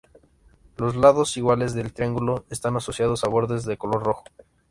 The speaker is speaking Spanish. Los lados iguales del triángulo están asociados a bordes de color rojo.